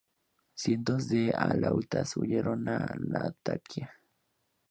Cientos de alauitas huyeron a Latakia.